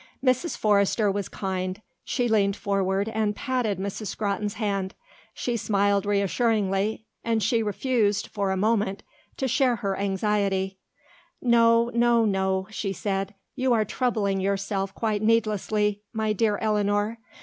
Mrs. Forrester was kind, she leaned forward and patted Miss Scrotton's hand, she smiled reassuringly, and she refused, for a moment, to share her anxiety. "No, no, no," she said, "you are troubling yourself quite needlessly, my dear Eleanor.